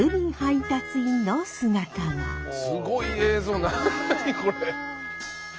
すごい映像何これ。